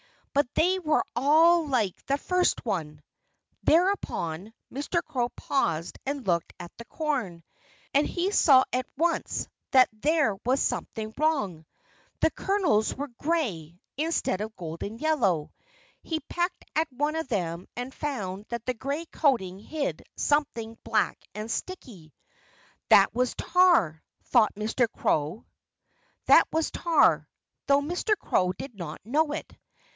But they were all like the first one. Thereupon, Mr. Crow paused and looked at the corn. And he saw at once that there was something wrong. The kernels were gray, instead of a golden yellow. He pecked at one of them and found that the gray coating hid something black and sticky. That was tar, though Mr. Crow did not know it.